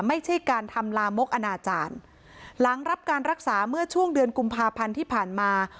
ไม่ใช่การทำลามกอนาจารย์หลังรับการรักษาเมื่อช่วงเดือนกุมภาพันธ์ที่ผ่านมา